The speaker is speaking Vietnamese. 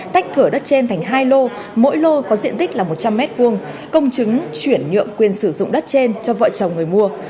tách thửa đất trên thành hai lô mỗi lô có diện tích là một trăm linh m hai công chứng chuyển nhượng quyền sử dụng đất trên cho vợ chồng người mua